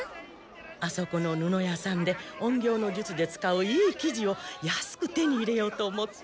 あそこの布屋さんで隠形の術で使ういい生地を安く手に入れようと思って。